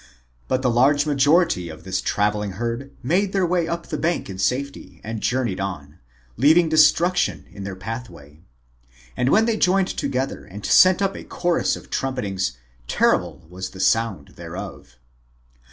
But the large majority of this traveling herd made their way up the bank in safety and journeyed on, leaving destruction in their pathway. And when they joined together and sent up a chorus of trumpetings, terrible was the sound thereof.